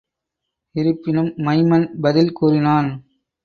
இருப்பினும் மைமன் பதில் கூறினான்.